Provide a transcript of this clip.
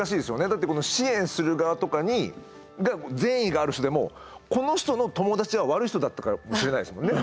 だって支援する側とかが善意がある人でもこの人の友達は悪い人かもしれないですもんね。